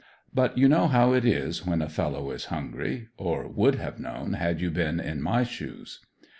But you know how it is when a fellow is hungry, or would have known had you been in my shoes.